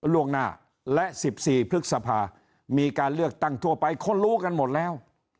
ล่วงหน้าและ๑๔พฤษภามีการเลือกตั้งทั่วไปคนรู้กันหมดแล้ว